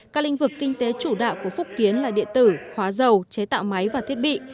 các lĩnh vực kinh tế chủ đạo của phúc kiến là điện tử hóa dầu chế tạo máy và thiết bị